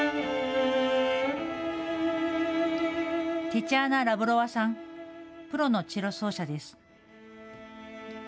テチャーナ・ラブロワさん、プロのチェロ奏者です。